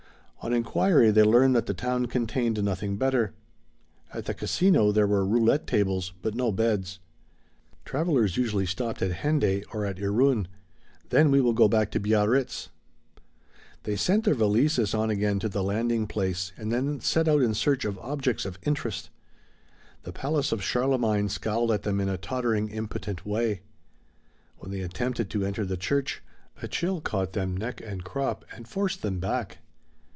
On inquiry they learned that the town contained nothing better. At the Casino there were roulette tables, but no beds. Travelers usually stopped at Hendaye or at Irun. "Then we will go back to Biarritz." They sent their valises on again to the landing place and then set out in search of Objects of Interest. The palace of Charlemagne scowled at them in a tottering, impotent way. When they attempted to enter the church, a chill caught them neck and crop and forced them back.